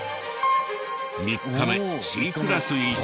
３日目Ｃクラス１位に。